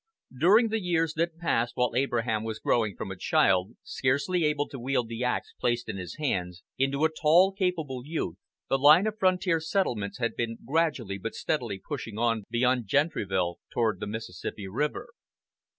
During the years that passed while Abraham was growing from a child, scarcely able to wield the ax placed in his hands, into a tall, capable youth, the line of frontier settlements had been gradually but steadily pushing on beyond Gentryville toward the Mississippi River.